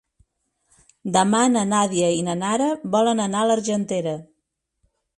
Demà na Nàdia i na Nara volen anar a l'Argentera.